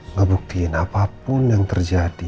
ngebuktiin apapun yang terjadi